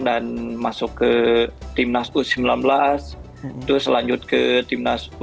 dan masuk ke timnas u sembilan belas terus selanjut ke timnas u dua puluh dua